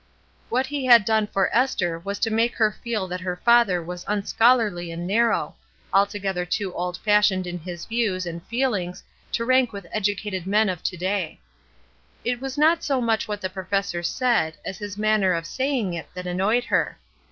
What he had done for Esther was to make her no ESTER RIED'S NAMESAKE feel that her father was unscholarly and narrow ; altogether too old fashioned in his views and feelings to rank with educated men of to day. It was not so much what the professor said as his manner of saying it that annoyed her.